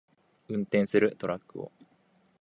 運転するトラックを